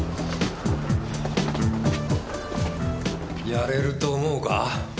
やれると思うか？